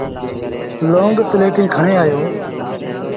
لونگ پليٽون کڻي آيو۔